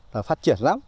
và phát triển lắm